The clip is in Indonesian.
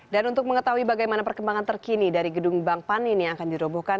dan untuk mengetahui bagaimana perkembangan terkini dari gedung bank panin yang akan dirobohkan